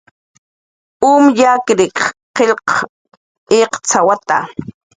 Um yakriq qillqw iqcx'awata.